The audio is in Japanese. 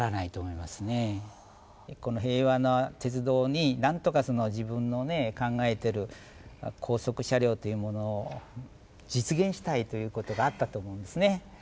この平和な鉄道に何とか自分のね考えてる高速車両というものを実現したいということがあったと思うんですね。